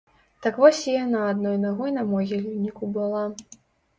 Так вось і яна адной нагой на могільніку была.